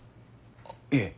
あっいえ。